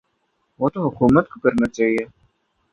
وہ تو حکومتوں کو کرنا چاہیے۔